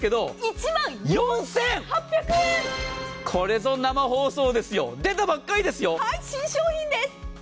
これぞ生放送ですよ、出たばっかりですよ、新商品です。